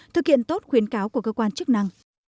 thực hiện tốt khuyến cáo của cơ quan chức năng